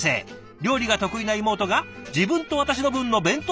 料理が得意な妹が自分と私の分の弁当を作ってくれます。